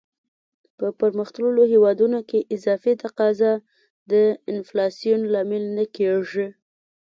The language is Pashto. په پرمختللو هیوادونو کې اضافي تقاضا د انفلاسیون لامل نه کیږي.